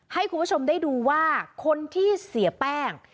ให้คุณผู้ชมได้ดูว่าคนที่เสียแป้ง